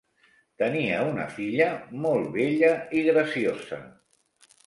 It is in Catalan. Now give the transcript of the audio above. Tenia una filla molt bella i graciosa.